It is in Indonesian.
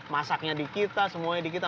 masaknya di kita semuanya di kita